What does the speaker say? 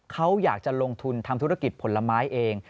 เขาอยากจะลงทุนทำธุรกิจผลไม้เอง